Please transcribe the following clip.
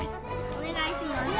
お願いしまーす。